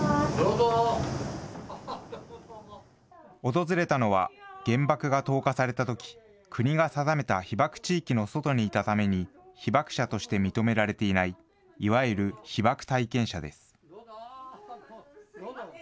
訪れたのは、原爆が投下されたとき、国が定めた被爆地域の外にいたために、被爆者として認められていない、いわゆる被爆体験者です。